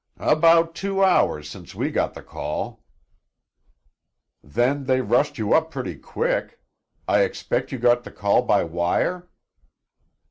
"About two hours since we got the call." "Then, they rushed you up pretty quick. I expect you got the call by wire?"